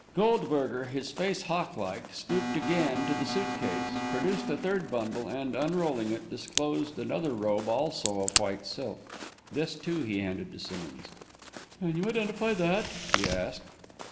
Goldberger, his face hawklike, stooped again to the suit case, produced a third bundle, and, unrolling it, disclosed another robe, also of white silk. This, too, he handed to Simmonds. "Can you identify that?" he asked.